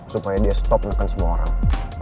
supaya dia stop makan semua orang